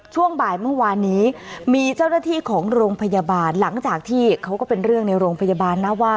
ช่วงบ่ายเมื่อวานนี้มีเจ้าหน้าที่ของโรงพยาบาลหลังจากที่เขาก็เป็นเรื่องในโรงพยาบาลนะว่า